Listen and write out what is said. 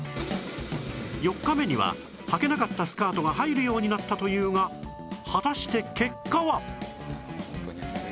４日目にははけなかったスカートが入るようになったというが果たして結果は！？